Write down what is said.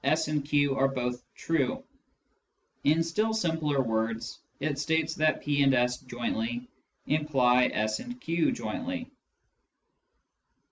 s and q are both true ; in still simpler words, it states that p and s jointly imply s and q jointly.